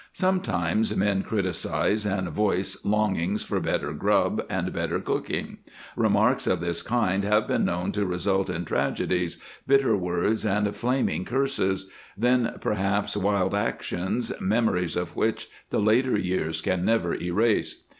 Sometimes men criticize and voice longings for better grub and better cooking. Remarks of this kind have been known to result in tragedies, bitter words and flaming curses then, perhaps, wild actions, memories of which the later years can never erase.